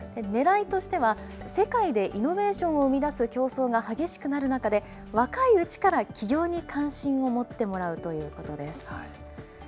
ねらいとしては世界でイノベーションを生み出す競争が激しくなる中で、若いうちから起業に関心を持ってもらうということです。